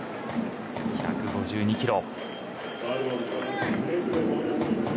１５２キロ。